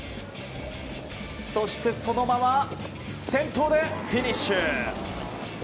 そして、そのまま先頭でフィニッシュ。